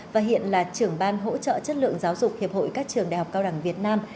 và hiện là trưởng ban hỗ trợ chất lượng giáo dục hiệp hội các trường đại học cao đẳng việt nam